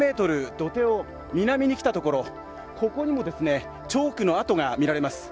土手を南に来たところここにもチョークの跡が見られます。